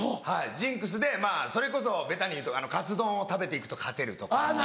ジンクスでそれこそベタに言うとかつ丼を食べて行くと勝てるとか。